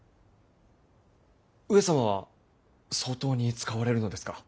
上様は相当に使われるのですか？